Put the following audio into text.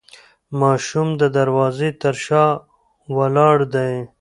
ماشوم د دروازې تر شا ولاړ دی.